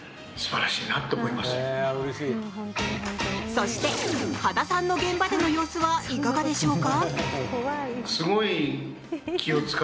そして、羽田さんの現場での様子はいかがでしょうか。